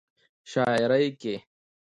شاعرۍ کې